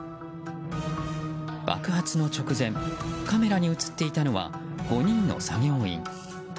爆発の直前カメラに映っていたのは５人の作業員。